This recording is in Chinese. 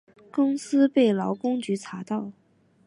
公司被劳工局查到